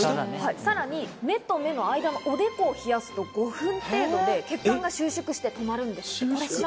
さらに目と目の間、おでこを冷やすと、５分程度で血管が収縮して止まるんです。